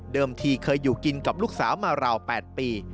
ทีเคยอยู่กินกับลูกสาวมาราว๘ปี